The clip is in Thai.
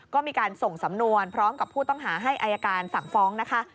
ก็มีการส่งสำนวนพร้อมกับผู้ต้องหาให้อายการสั่งฟ้องนะคะ